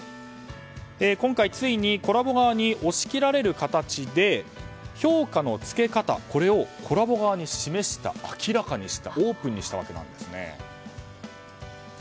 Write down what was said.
今回、ついにＫｏｌｌａＢｏ側に押し切られる形で評価の付け方をＫｏｌｌａＢｏ側に明らかにしたオープンにしたわけなんですね。